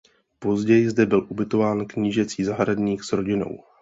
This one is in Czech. Později zde byl ubytován knížecí zahradník s rodinou.